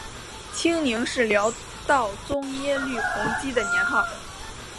清宁是辽道宗耶律洪基的年号。